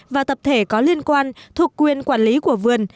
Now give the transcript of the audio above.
và tập thể có liên quan thuộc quyền quản lý của vườn